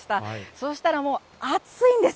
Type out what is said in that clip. そうしたらもう暑いんです。